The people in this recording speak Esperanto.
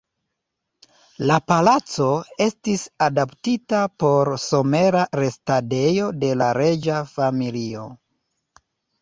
La palaco estis adaptita por somera restadejo de la reĝa familio.